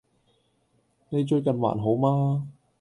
你最近還好嗎